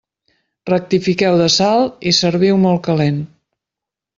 Rectifiqueu de sal i serviu molt calent.